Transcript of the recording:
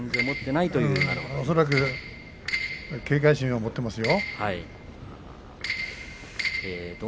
恐らく警戒心は持っていますよ。